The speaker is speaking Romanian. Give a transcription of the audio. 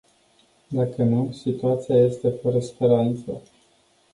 Dacă nu, situația este fără speranță.